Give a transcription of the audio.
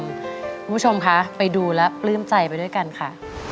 คุณผู้ชมคะไปดูแล้วปลื้มใจไปด้วยกันค่ะ